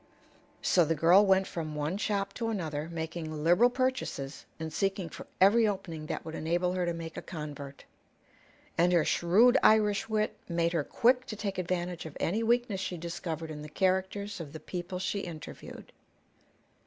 So the girl went from one shop to another, making liberal purchases and seeking for every opening that would enable her to make a convert. And her shrewd Irish wit made her quick to take advantage of any weakness she discovered in the characters of the people she interviewed.